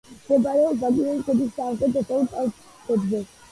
მდებარეობს ბაკურიანის ქედის სამხრეთ-დასავლეთ კალთებზე.